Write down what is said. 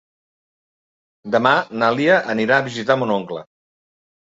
Demà na Lia anirà a visitar mon oncle.